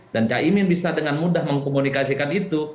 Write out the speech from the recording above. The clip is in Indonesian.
dan caimin bisa dengan mudah mengkomunikasikan itu